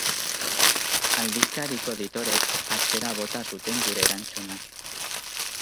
Aldizkariko editoreek atzera bota zuten gure erantzuna.